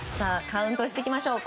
カウントしていきましょう。